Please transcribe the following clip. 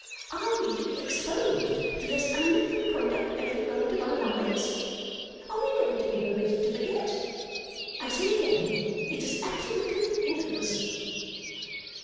Are we to be exposed to this unnatural conduct every moment of our lives? Are we never to be permitted to forget? I say again, it is absolutely infamous!